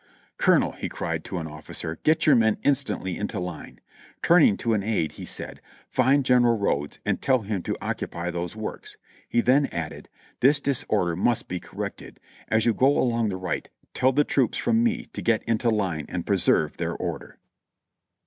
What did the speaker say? "Colonel," he cried to an officer, "get your men instantly into line !" Turning to an aide, he said : "Find General Rodes and tell him to occupy those works." He then added : "This disorder must be corrected; as you go along the right, tell the troops from me, to get into line and preserve their order."